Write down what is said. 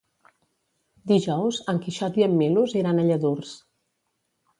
Dijous en Quixot i en Milos iran a Lladurs.